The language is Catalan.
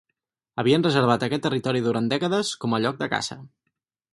Havien reservat aquest territori durant dècades com a lloc de caça.